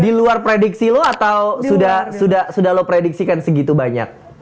itu udah lu prediksi lu atau sudah lu prediksikan segitu banyak